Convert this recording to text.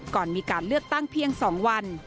ก่อนมีการเลือกตั้งเพียง๒วัน